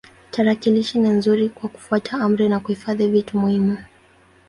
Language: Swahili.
Tarakilishi ni nzuri kwa kufuata amri na kuhifadhi vitu muhimu.